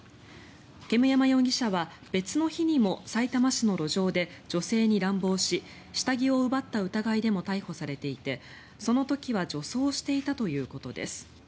煙山容疑者は別の日にもさいたま市の路上で女性に乱暴し下着を奪った疑いでも逮捕されていてその時は女装していたということです。